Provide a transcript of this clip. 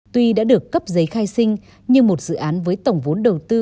tuy đã được cấp giấy khai sinh nhưng một dự án với tổng vốn đầu tư